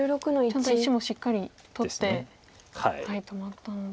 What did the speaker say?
ちゃんと石もしっかり取って止まったので。